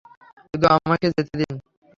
শুধু আমাকে যেতে দিন।